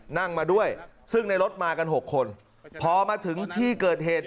นั่งมาด้วยซึ่งในรถมากัน๖คนพอมาถึงที่เกิดเหตุ